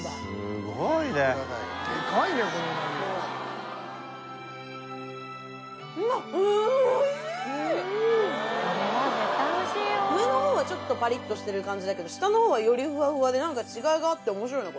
すごいねでかいねこの鰻上の方はちょっとパリッとしてる感じだけど下の方はよりふわふわで何か違いがあって面白いな